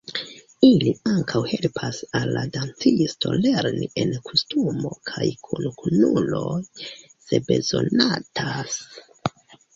Ili ankaŭ helpas al la dancisto lerni en kostumo kaj kun kunuloj, se bezonatas.